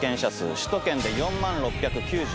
首都圏で４万６９４人。